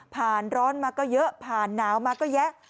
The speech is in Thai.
ร้อนมาก็เยอะผ่านหนาวมาก็แยะ